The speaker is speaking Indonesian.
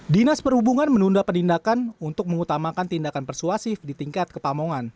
dinas perhubungan menunda penindakan untuk mengutamakan tindakan persuasif di tingkat kepamongan